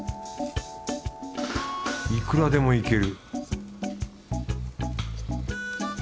いくらでもいける